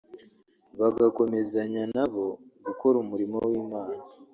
bagakomezanya na bo gukora umurimo w’Imana